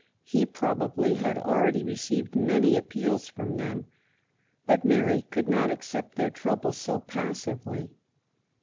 He probably had already received many appeals from them. But Mary could not accept their troubles so passively.